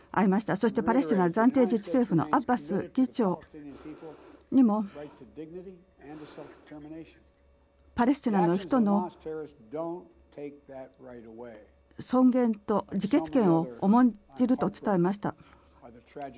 そしてパレスチナ暫定自治政府のアッバス議長にもパレスチナの人の尊厳と自決権を重んじると伝えました。